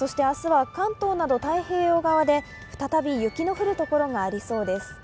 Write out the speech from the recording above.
明日は関東など太平洋側で再び雪の降る所がありそうです。